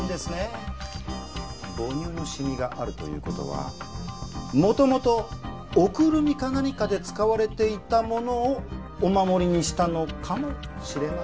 母乳のシミがあるという事は元々おくるみか何かで使われていたものをお守りにしたのかもしれませんねえ。